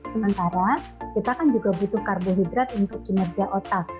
sementara kita kan juga butuh karbohidrat untuk kinerja otak